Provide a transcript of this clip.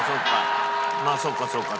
まあそうかそうか。